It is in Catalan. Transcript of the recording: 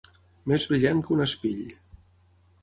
Més brillant que un espill.